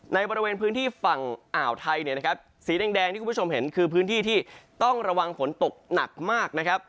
ในบริเวณพื้นที่ฝั่งอ่าวไทยเนี่ยนะครับสีแดงที่คุณผู้ชมเห็นคือพื้นที่ที่ต้องระวังฝนตกหนักมากนะครับ